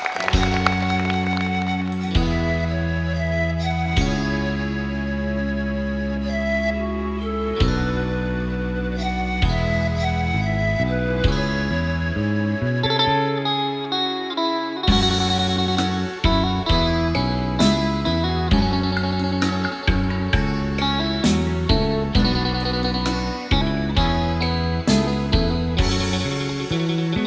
ขอบคุณครับ